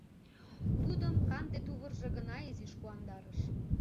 Тудым канде тувыржо гына изиш куандарыш.